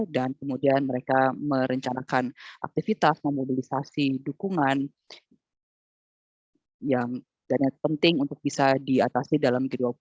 dan kemudian mereka merencanakan aktivitas memobilisasi dukungan yang sangat penting untuk bisa diatasi dalam g dua puluh